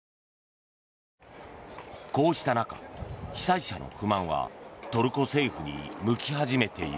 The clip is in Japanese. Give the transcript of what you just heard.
こうした中、被災者の不満はトルコ政府に向き始めている。